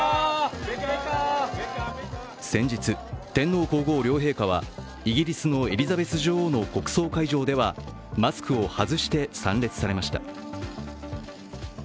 先日、天皇皇后両陛下はイギリスのエリザベス女王の国葬会場ではマスクを外して参列されました。